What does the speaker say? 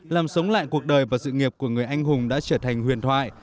làm sống lại cuộc đời và sự nghiệp của người anh hùng đã trở thành huyền thoại